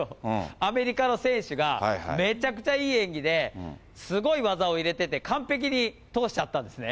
アメリカの選手がめちゃくちゃいい演技で、すごい技を入れてて、完璧に通しちゃったんですね。